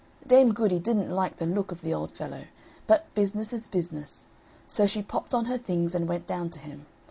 Dame Goody didn't like the look of the old fellow, but business is business; so she popped on her things, and went down to him.